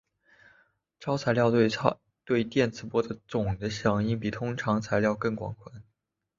超材料对电磁波的总的响应比通常材料更宽广。